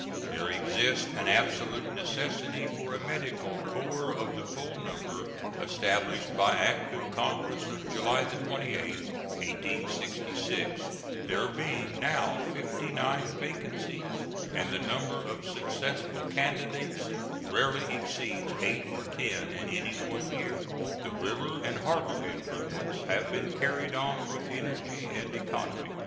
There exists an absolute necessity for a medical corps of the full number established by act of Congress of July 28, 1866, there being now fifty nine vacancies, and the number of successful candidates rarely exceeds eight or ten in any one year. The river and harbor improvements have been carried on with energy and economy.